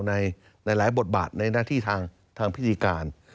ในหลายบทบาทในหน้าที่ทางพิธีการ